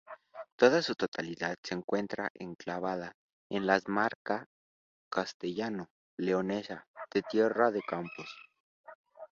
Toda su totalidad se encuentra enclavada en la comarca castellano-leonesa de Tierra de Campos.